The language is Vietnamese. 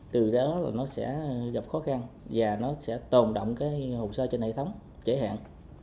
từ đó nó sẽ gặp khó khăn và tồn động hồn so trên hệ thống chế hạn